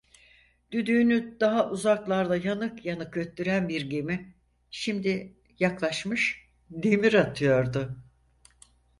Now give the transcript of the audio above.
Düdüğünü daha uzaklarda yanık yanık öttüren bir gemi şimdi yaklaşmış, demir atıyordu.